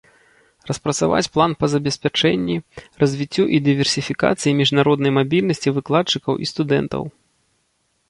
Распрацаваць план па забеспячэнні, развіццю і дыверсіфікацыі міжнароднай мабільнасці выкладчыкаў і студэнтаў.